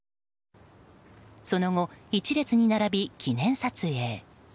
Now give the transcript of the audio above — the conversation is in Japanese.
その後、一列に並び記念撮影。